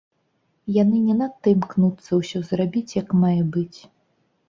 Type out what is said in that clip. Яны не надта імкнуцца ўсё зрабіць як мае быць.